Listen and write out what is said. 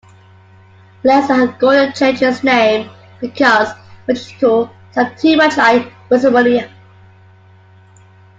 Lesser had Gordon change his name because "Werschkul" sounded too much like "Weismueller".